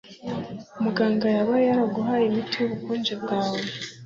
Muganga yaba yaraguhaye imiti yubukonje bwawe